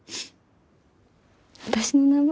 私の名前？